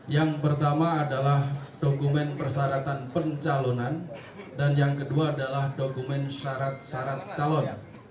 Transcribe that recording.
yang pertama adalah dokumen persyaratan pencalonan dan yang kedua adalah dokumen syarat syarat calon